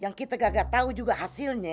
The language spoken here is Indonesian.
yang kita gak tau juga hasilnya